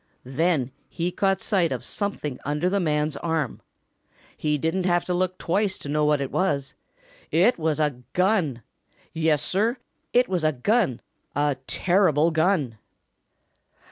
Then he caught sight of something under the man's arm. He didn't have to look twice to know what it was. It was a gun! Yes, sir, it was a gun, a terrible gun.